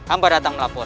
amba datang melapor